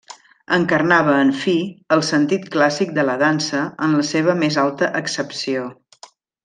Encarnava, en fi, el sentit clàssic de la dansa en la seva més alta accepció.